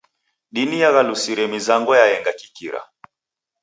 Dini yaghalusire mizango yaenga ya kikira.